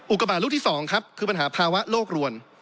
อุกบาทลูกที่๒ครับคือปัญหาภาวะโลกรวน